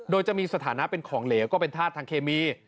โดยจะมีสถานะเป็นของเหลวก็เป็นธาตุทางเคมี